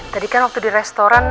tadi kan waktu di restoran